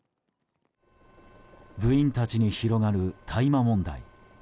部員たちに広がる大麻問題。